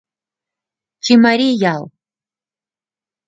Чимарий ял!